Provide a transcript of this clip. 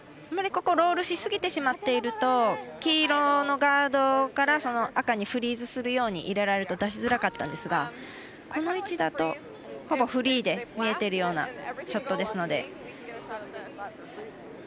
あんまりここロールしすぎてしまっていると黄色のガードから赤にフリーズするように入れられると出しづらかったんですがこの位置だと、ほぼフリーで見えているようなショットですので。